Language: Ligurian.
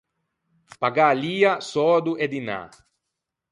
Pagâ lia, södo e dinâ.